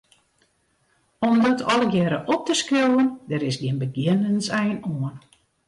Om dat allegearre op te skriuwen, dêr is gjin begjinnensein oan.